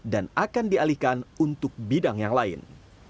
dan akan dialihkan untuk bidang yang lain